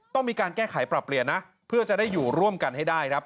ต้องมีการแก้ไขปรับเปลี่ยนนะเพื่อจะได้อยู่ร่วมกันให้ได้ครับ